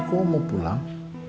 kok mau pulang